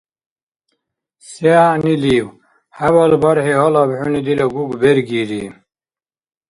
Се гӀягӀнилив? ХӀябал бархӀи гьалаб хӀуни дила Гуг бергири?